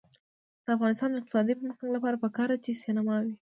د افغانستان د اقتصادي پرمختګ لپاره پکار ده چې سینما وي.